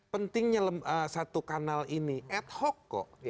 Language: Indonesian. pentingnya satu kanal ini ad hoc kok